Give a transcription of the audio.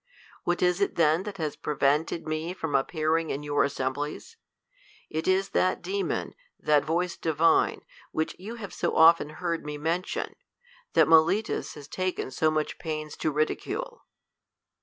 What is it then that has prevented me from ap pearing in your assemblies ? It is that demon, that voice divine, which you have so often heard me men tion, and Melitus has taken so much pains to ridicule.